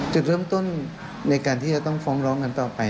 จุดเริ่มต้นในการที่จะต้องฟ้องร้องกันต่อไป